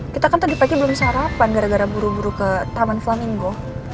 kita kan tadi pagi belum sarapan gara gara buru buru ke taman flaminggo